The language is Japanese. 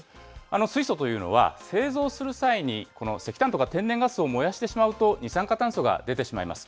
水素というのは製造する際に、この石炭とか天然ガスを燃やしてしまうと、二酸化炭素が出てしまいます。